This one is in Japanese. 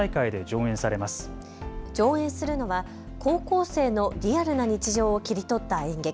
上演するのは高校生のリアルな日常を切り取った演劇。